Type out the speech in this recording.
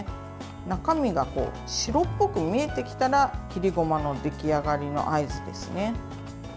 中身が白っぽく見えてきたら切りごまの出来上がりの合図ですね。